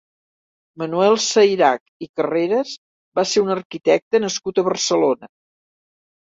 Manuel Sayrach i Carreras va ser un arquitecte nascut a Barcelona.